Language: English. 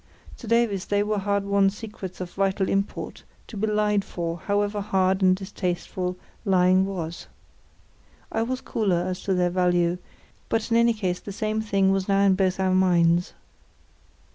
To Davies they were hard won secrets of vital import, to be lied for, however hard and distasteful lying was. I was cooler as to their value, but in any case the same thing was now in both our minds.